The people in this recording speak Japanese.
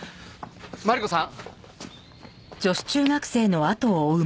マリコさん？